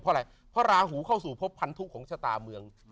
เพราะอะไรเพราะราหูเข้าสู่พบพันธุของชะตาเมือง